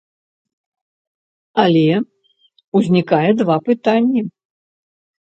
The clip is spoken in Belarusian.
Але ўзнікае два пытанні.